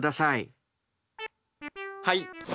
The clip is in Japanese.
はい。